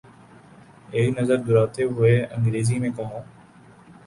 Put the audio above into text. ایک نظر دوڑاتے ہوئے انگریزی میں کہا۔